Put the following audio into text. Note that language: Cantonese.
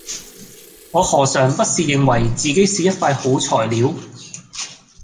我何嘗不是認為自己是一塊好材料